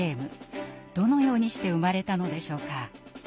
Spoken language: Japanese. どのようにして生まれたのでしょうか。